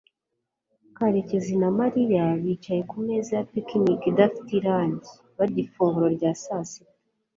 karekezi na mariya bicaye ku meza ya picnic idafite irangi barya ifunguro rya saa sita